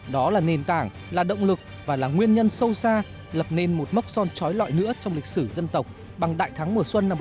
đó là nền tảng là động lực và là nguyên nhân sâu xa lập nên một mốc son trói lọi nữa trong lịch sử dân tộc bằng đại thắng mùa xuân năm một nghìn chín trăm bảy mươi